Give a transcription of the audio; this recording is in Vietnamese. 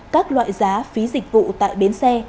các loại giá phí dịch vụ tại bến xe